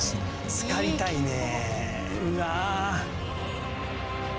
つかりたいねえ！